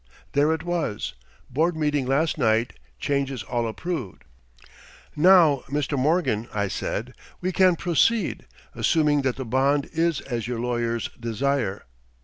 There it was: "Board meeting last night; changes all approved." "Now, Mr. Morgan," I said, "we can proceed, assuming that the bond is as your lawyers desire."